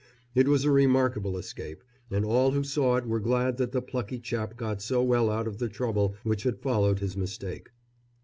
It was a remarkable escape, and all who saw it were glad that the plucky chap got so well out of the trouble which had followed his mistake.